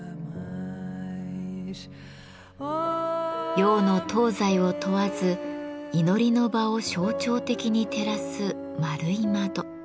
洋の東西を問わず祈りの場を象徴的に照らす円い窓。